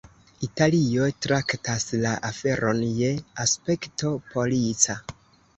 Italio traktas la aferon je aspekto polica.